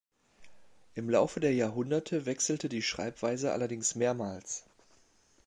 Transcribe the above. Im Laufe der Jahrhunderte wechselte die Schreibweise allerdings mehrmals.